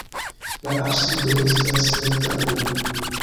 La absido estas rektangula.